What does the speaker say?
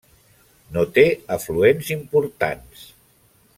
No té afluents importants.